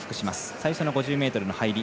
最初の５０ｍの入り。